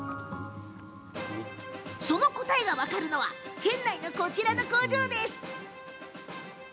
その答えが分かるのは県内のこちらの工場です。